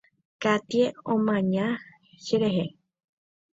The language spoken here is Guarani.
Katie omaña cherehe.